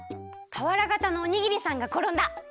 たわらがたのおにぎりさんがころんだ。